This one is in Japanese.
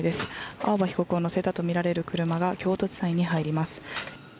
青葉被告を乗せたとみられる車が京都地裁に入ります